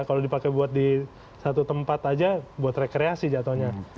kalau dipakai buat di satu tempat aja buat rekreasi jatuhnya